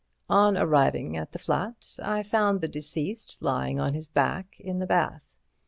"On arriving at the flat I found the deceased lying on his back in the bath.